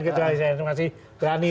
kecuali cnn masih berani